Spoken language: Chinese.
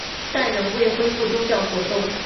但仍未恢复宗教活动。